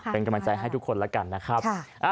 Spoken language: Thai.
เป็นกำลังใจให้ทุกคนแล้วกันนะครับ